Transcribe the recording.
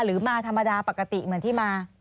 หรือมาธรรมดาปกติเหมือนที่มา